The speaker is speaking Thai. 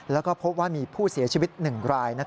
แล้วก็พบว่ามีผู้เสียชีวิต๑ราย